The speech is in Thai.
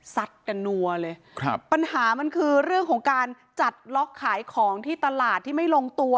กันนัวเลยครับปัญหามันคือเรื่องของการจัดล็อกขายของที่ตลาดที่ไม่ลงตัว